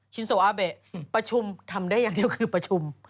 ชินโซอาเบะประชุมทำได้อย่างเดียวคือประชุม